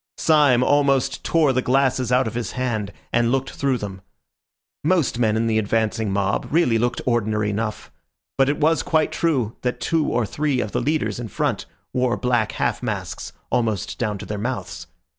Syme almost tore the glasses out of his hand, and looked through them. Most men in the advancing mob really looked ordinary enough; but it was quite true that two or three of the leaders in front wore black half masks almost down to their mouths.